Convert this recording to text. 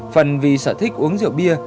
phần vì sở thích uống rượu bia